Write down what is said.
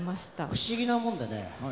不思議なもんでね。